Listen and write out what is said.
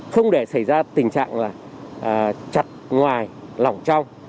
không để xảy ra tình trạng là chặt ngoài lỏng trong